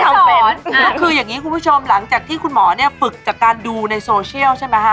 ก็คืออย่างนี้คุณผู้ชมหลังจากที่คุณหมอเนี่ยฝึกจากการดูในโซเชียลใช่ไหมฮะ